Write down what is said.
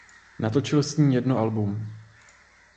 Natočil s ní jedno album.